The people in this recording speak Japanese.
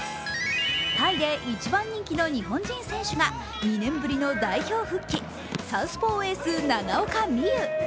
タイで一番人気の日本人選手が２年ぶりの代表復帰、サウスポーエース・長岡望悠。